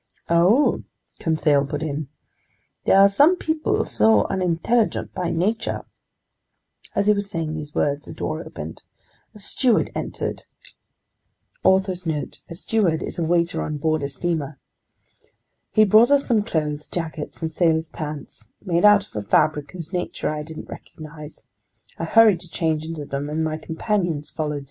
"Oh," Conseil put in, "there are some people so unintelligent by nature ..." As he was saying these words, the door opened. A steward entered.* He brought us some clothes, jackets and sailor's pants, made out of a fabric whose nature I didn't recognize. I hurried to change into them, and my companions followed suit.